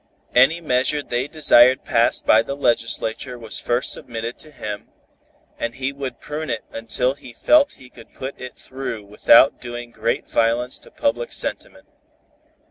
Any measure they desired passed by the legislature was first submitted to him, and he would prune it until he felt he could put it through without doing too great violence to public sentiment.